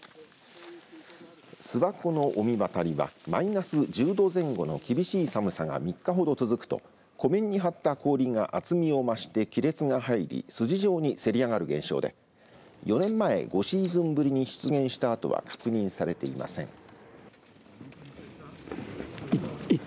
諏訪湖の御神渡りはマイナス１０度前後の厳しい寒さが３日ほど続くと湖面に張った氷が厚みを増して亀裂が入り筋状にせり上がる現象で４年前、５シーズンぶりに出現したあとは確認されていません。